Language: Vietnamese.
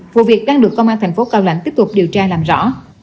vụ việc đang được công an thành phố cao lãnh tiếp tục điều tra làm rõ